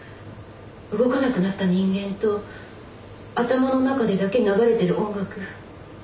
動かなくなった人間と頭の中でだけ流れてる音楽。